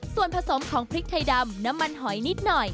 ส่วนผสมของพริกไทยดำน้ำมันหอยนิดหน่อย